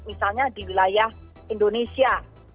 misalnya di wilayah indonesia